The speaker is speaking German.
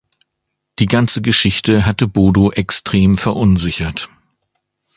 Die ganze Geschichte hatte Bodo extrem verunsichert.